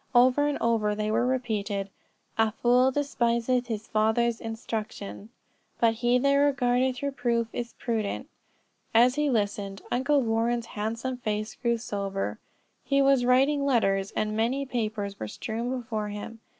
Over and over they were repeated: "A fool despiseth his father's instruction: but he that regardeth reproof is prudent." As he listened Uncle Warren's handsome face grew sober, he was writing letters, and many papers were strewn before him.